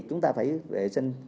chúng ta phải vệ sinh